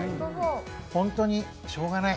本当にしょうがない。